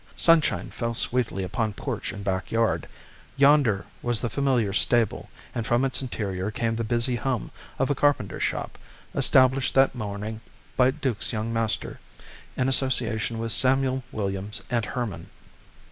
Sunshine fell sweetly upon porch and backyard; yonder was the familiar stable, and from its interior came the busy hum of a carpenter shop, established that morning by Duke's young master, in association with Samuel Williams and Herman.